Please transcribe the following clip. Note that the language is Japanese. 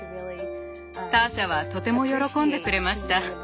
ターシャはとても喜んでくれました。